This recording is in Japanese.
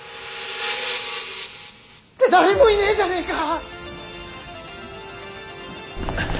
って誰もいねえじゃねえか！